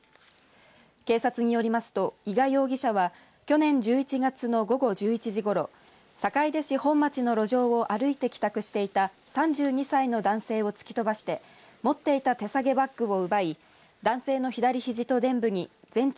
警察によりますと、伊賀容疑者は去年１１月の午後１１時ごろ坂出市本町の路上を歩いて帰宅していた３２歳の男性を突き飛ばして持っていた手提げバッグを奪い男性の左ひじとでん部に全治